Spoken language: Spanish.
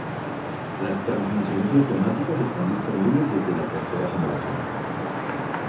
Las transmisiones automáticas están disponibles desde la tercera generación.